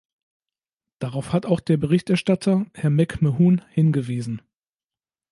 Darauf hat auch der Berichterstatter, Herr McMahon, hingewiesen.